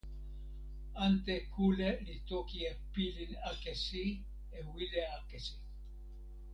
ante kule li toki e pilin akesi e wile akesi.